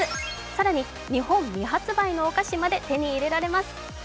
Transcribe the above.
更に日本未発売のお菓子まで手に入れられます。